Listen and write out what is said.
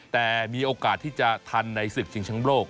แต่มีโอกาสที่จะทันในศึกชิงช้ำโลก